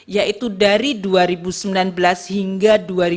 yaitu dari dua ribu sembilan belas hingga dua ribu dua puluh